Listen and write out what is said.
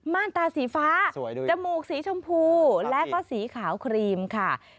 ่านตาสีฟ้าจมูกสีชมพูและก็สีขาวครีมค่ะ